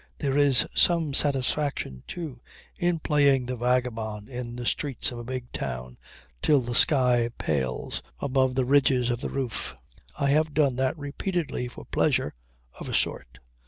There is some satisfaction too in playing the vagabond in the streets of a big town till the sky pales above the ridges of the roofs. I have done that repeatedly for pleasure of a sort.